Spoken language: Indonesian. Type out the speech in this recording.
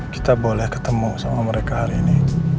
kita boleh ketemu sama mereka hari ini